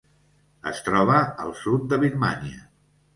Es troba al sud de Birmània.